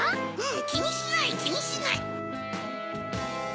きにしないきにしない。